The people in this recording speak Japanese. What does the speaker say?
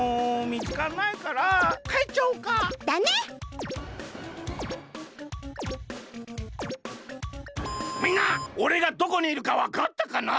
みんなおれがどこにいるかわかったかな？